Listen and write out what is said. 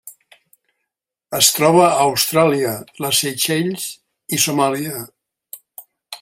Es troba a Austràlia, les Seychelles i Somàlia.